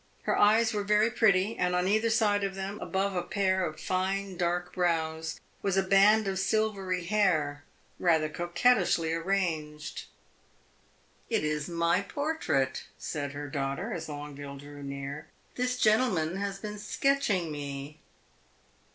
Her eyes were very pretty, and on either side of them, above a pair of fine dark brows, was a band of silvery hair, rather coquettishly arranged. "It is my portrait," said her daughter, as Longueville drew near. "This gentleman has been sketching me."